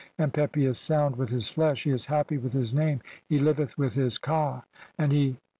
And Pepi is sound with his flesh, he is happy "with his name, he liveth with (170) his ka. And he "(V. e.